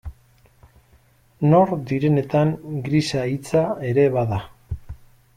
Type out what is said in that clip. Nor direnetan grisa hitsa ere bada.